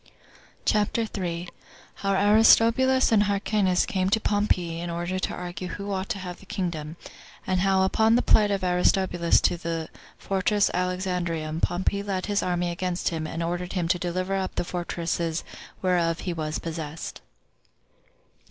CHAPTER 3. How Aristobulus And Hyrcanus Came To Pompey In Order To Argue Who Ought To Have The Kingdom; And How Upon The Plight Of Aristobulus To The Fortress Alexandrium Pompey Led His Army Against Him And Ordered Him To Deliver Up The Fortresses Whereof He Was Possessed.